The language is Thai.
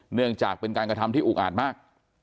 เนื่องจากเป็นการกระทำที่อุกอาจมาก